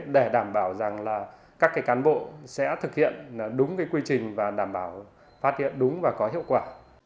để đảm bảo rằng là các cán bộ sẽ thực hiện đúng quy trình và đảm bảo phát hiện đúng và có hiệu quả